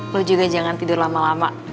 lu juga jangan tidur lama lama